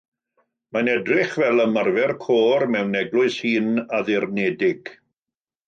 Mae'n edrych fel ymarfer côr mewn eglwys hŷn, addurnedig.